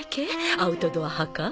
アウトドア派か？